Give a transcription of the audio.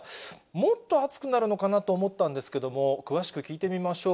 もっと暑くなるのかなと思ったんですけれども、詳しく聞いてみましょう。